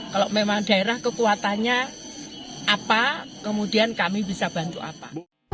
kalau memang daerah kekuatannya apa kemudian kami bisa bantu apa